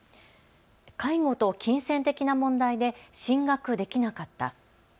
介護と金銭的な問題で進学できなかった。